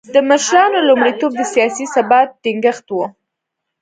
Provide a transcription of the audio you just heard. د مشرانو لومړیتوب د سیاسي ثبات ټینګښت و.